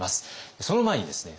その前にですね